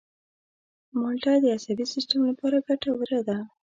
مالټه د عصبي سیستم لپاره ګټوره ده.